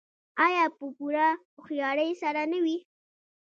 آیا په پوره هوښیارۍ سره نه وي؟